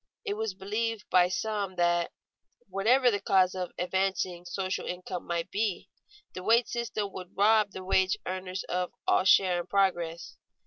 It was believed by some that, whatever the causes of advancing social income might be, the wage system would rob the wage earners of all share in progress.